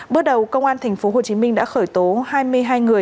bước đầu công an tp hcm đã khởi tố hai mươi hai người